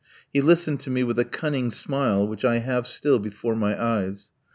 He listened to me with a cunning smile which I have still before my eyes.